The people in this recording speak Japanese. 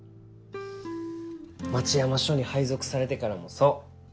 町山署に配属されてからもそう。